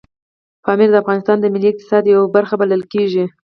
پامیر د افغانستان د ملي اقتصاد یوه برخه بلل کېږي.